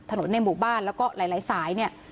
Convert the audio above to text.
ในหมู่บ้านแล้วก็หลายสายเนี่ย